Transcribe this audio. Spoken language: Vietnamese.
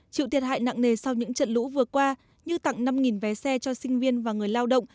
chịu thiệt hại nặng nề sau những trận lũ vừa qua như tặng năm vé xe cho sinh viên và người lao động